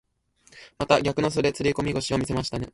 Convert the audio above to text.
また逆の袖釣り込み腰を見せましたね。